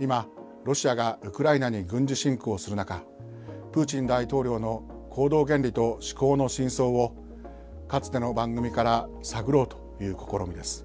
今ロシアがウクライナに軍事侵攻する中プーチン大統領の行動原理と思考の深層をかつての番組から探ろうという試みです。